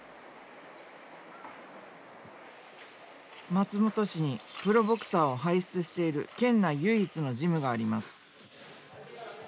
松本市にプロボクサーを輩出している県内唯一のジムがあります。